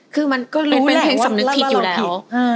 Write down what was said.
เป็นเพลงสำนึกผิดอยู่แล้ว